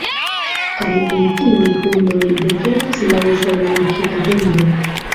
Kaj el tiuj hundoj devenas la usona akita-hundo.